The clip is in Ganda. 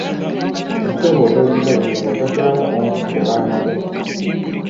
Empiso bw'otoogirabe ng'onsasulamu omu ku baana bo.